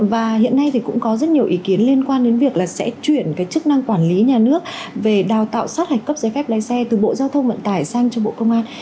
và hiện nay thì cũng có rất nhiều ý kiến liên quan đến việc là sẽ chuyển cái chức năng quản lý nhà nước về đào tạo sát hạch cấp giấy phép lái xe từ bộ giao thông vận tải sang cho bộ công an